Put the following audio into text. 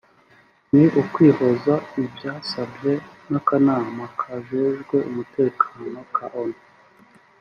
ni ukwihoza ivyasabwe n'akanama kajejwe umutekano ka Onu